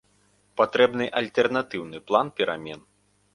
Патрэбны альтэрнатыўны план перамен.